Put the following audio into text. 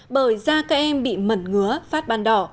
bởi da các em bị mẩn ngứa phát ban đỏ